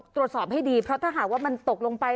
ตรวจสอบให้ดีเพราะถ้าหากว่ามันตกลงไป